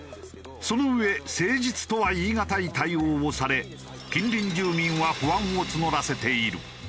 そのうえ誠実とは言いがたい対応をされ近隣住民は不安を募らせている。